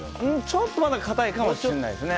ちょっとまだ硬いかもしれないです。